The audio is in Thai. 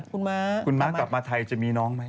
คุณม้าคุณม้ากลับมาไทยจะมีน้องไหม